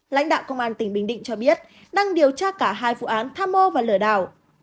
lãnh đạo công an tỉnh bình định cho biết đang điều tra cả hai vụ án tham mô và lửa đảo